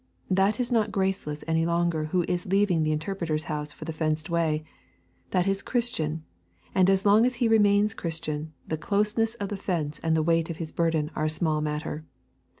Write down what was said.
That is not Graceless any longer who is leaving the Interpreter's House for the fenced way; that is Christian, and as long as he remains Christian, the closeness of the fence and the weight of his burden are a small matter.